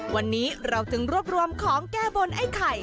วันนี้เราจึงรวบรวมของแก้บนไอ้ไข่